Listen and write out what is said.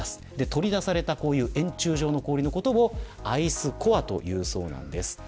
取り出された円柱状の氷のことをアイスコアというそうです。